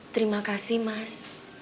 terima kasih mas